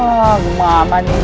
ah gemama nih